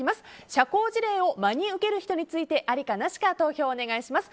社交辞令を真に受ける人についてありかなしか投票お願いします。